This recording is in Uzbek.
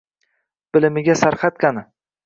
Bilimiga sarhad qani?